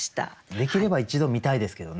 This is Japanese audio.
できれば一度見たいですけどね。